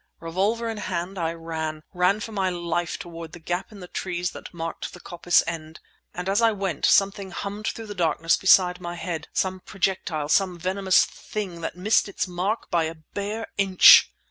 Revolver in hand I ran—ran for my life toward the gap in the trees that marked the coppice end. And as I went something hummed through the darkness beside my head, some projectile, some venomous thing that missed its mark by a bare inch!